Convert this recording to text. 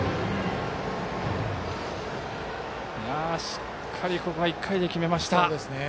しっかりと１回で決めました。